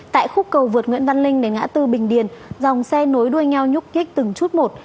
tại khúc cầu vượt nguyễn văn linh đến ngã tư bình điền dòng xe nối đuôi nhau nhúc kích từng chút một